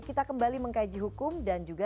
kita kembali mengkaji hukum dan juga